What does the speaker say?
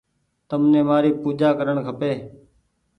تمني مآري پوجآ ڪرڻ کپي